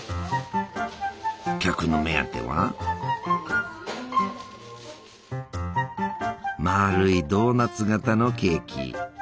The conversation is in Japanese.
客の目当てはまるいドーナツ形のケーキ。